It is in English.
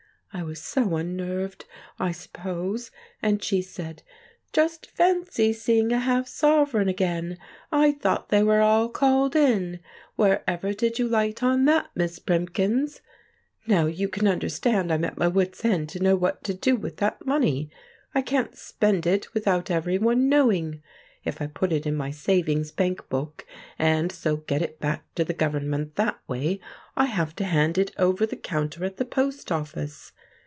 —I was so unnerved, I suppose—and she said, 'Just fancy seeing a half sovereign again! I thought they were all called in. Wherever did you light on that, Miss Primkins?' "Now you can understand I'm at my wits' end to know what to do with that money. I can't spend it without everyone knowing. If I put it in my savings bank book, and so get it back to the Government that way, I have to hand it over the counter at the post office.